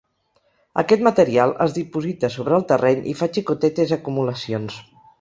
Aquest material es diposita sobre el terreny i fa xicotetes acumulacions.